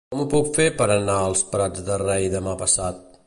Com ho puc fer per anar als Prats de Rei demà passat?